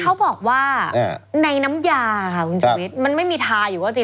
เขาบอกว่าในน้ำยามันไม่มีทาอยู่ก็จริง